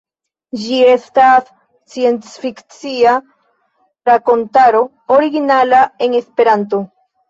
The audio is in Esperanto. Ĝi estas sciencfikcia rakontaro, originala en esperanto.